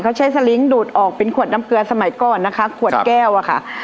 เขาใช้สลิงค์ดูดออกเป็นขวดน้ำเกลือสมัยก่อนนะคะขวดแก้วอะค่ะ